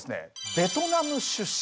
ベトナム出身。